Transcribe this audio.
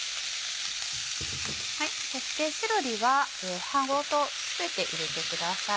そしてセロリは葉ごと全て入れてください。